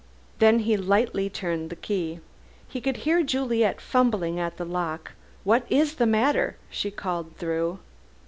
Then he lightly turned the key. He could hear Juliet fumbling at the lock. "What is the matter?" she called through.